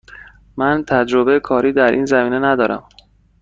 من هیچ تجربه کاری در این زمینه ندارم.